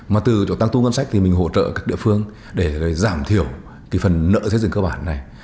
mà từ chỗ tăng thu ngân sách thì mình hỗ trợ các địa phương để giảm thiểu cái phần nợ xây dựng cơ bản này